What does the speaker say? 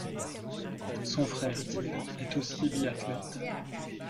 Son frère Till est aussi biathlète.